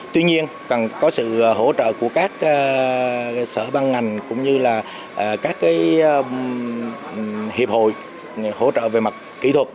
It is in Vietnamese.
tuy nhiên cần có sự hỗ trợ của các sở băng ngành cũng như là các hiệp hội hỗ trợ về mặt kỹ thuật